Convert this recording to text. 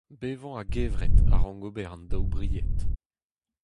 Bevañ a-gevret a rank ober an daou bried.